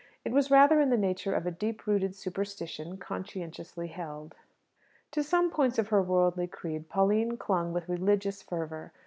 It was rather in the nature of a deep rooted superstition conscientiously held. To some points of her worldly creed Pauline clung with religious fervour.